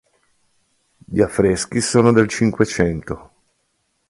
Gli affreschi sono del Cinquecento.